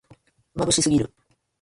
まぶしすぎる